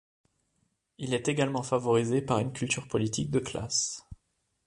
Il est également favorisé par une culture politique de classe.